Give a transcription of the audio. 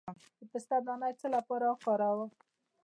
د پسته دانه د څه لپاره وکاروم؟